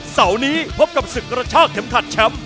เสาร์นี้พบกับศึกกระชากเข็มขัดแชมป์